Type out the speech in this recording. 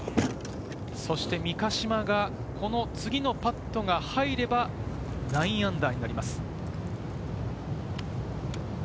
そして三ヶ島が次のパットが入れば−９になります。